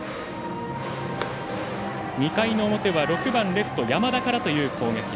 ２回の表は６番レフト山田からという攻撃。